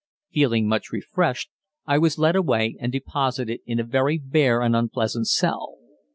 Feeling much refreshed, I was led away and deposited in a very bare and unpleasant cell.